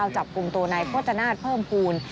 จับกลุ่มโตนายโภชนาธิ์เพิ่มภูมิ